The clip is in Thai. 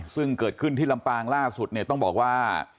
ซึ่งเกิดขึ้นที่ลำปางล่าสุดเนี่ยต้องบอกว่า